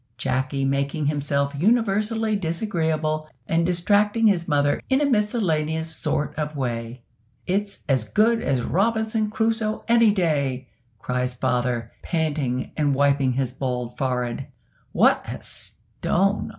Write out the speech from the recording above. Jacky making himself universally disagreeable, and distracting his mother in a miscellaneous sort of way. "It's as good as Robinson Crusoe any day!" cries father, panting and wiping his bald forehead. "What a stone!